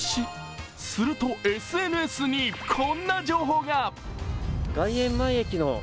するとＳＮＳにこんな情報が。